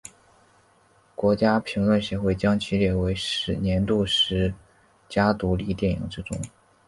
国家评论协会将其列入年度十佳独立电影之中。